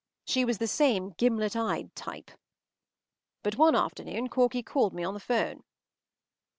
She was the same gimlet eyed type. But one afternoon Corky called me on the ’phone.